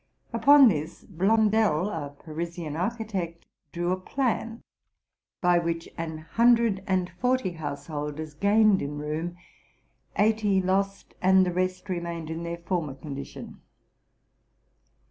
Upon this, Blondel, a Parisian architect, drew a plan, by which an hundred and forty householders gained in room, eighty lost, and the rest remained in their former condition.